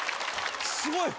すごい。